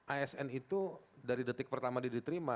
asn itu dari detik pertama dia diterima